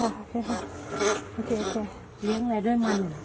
มีข้างในด้วยมัน